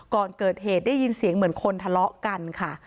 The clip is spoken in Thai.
ก่อนเกิดเหตุได้ยินเสียงเหมือนคนทะเลาะกันค่ะ